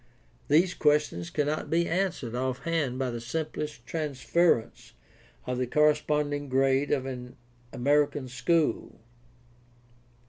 These ques tions cannot be answered offhand by the simple transference of the corresponding grade of an American school.